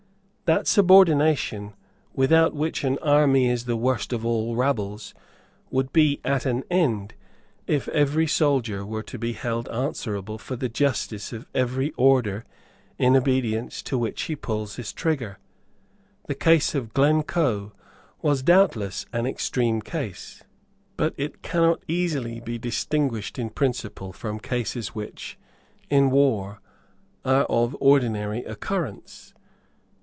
That subordination without which an army is the worst of all rabbles would be at an end, if every soldier were to be held answerable for the justice of every order in obedience to which he pulls his trigger. The case of Glencoe was, doubtless, an extreme case; but it cannot easily be distinguished in principle from cases which, in war, are of ordinary occurrence.